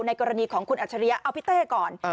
กรณีของคุณอัจฉริยะเอาพี่เต้ก่อน